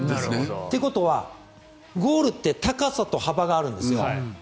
ということは、ゴールって高さと幅があるんですよ。